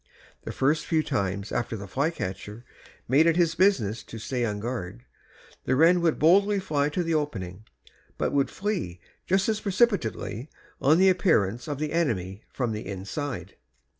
The first few times after the flycatcher made it his business to stay on guard, the wren would fly boldly to the opening, but would flee just as precipitately on the appearance of the enemy from the inside.